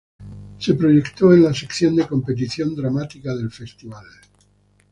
Se proyectó en la sección de competición dramática del festival.